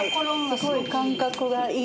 すごい感覚がいいなと。